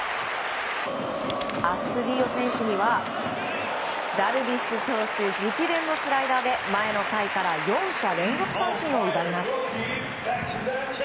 アストゥディーヨ選手にはダルビッシュ投手直伝のスライダーで、前の回から４者連続三振を奪います。